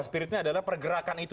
spiritnya adalah pergerakan itu